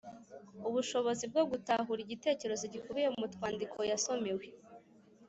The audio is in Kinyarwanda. Ubushobozi bwo gutahura igitekerezo gikubiye mu twandiko yasomewe.